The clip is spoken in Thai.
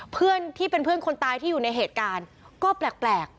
เพื่อนที่เป็นเพื่อนคนตายที่อยู่ในเหตุการณ์ก็แปลก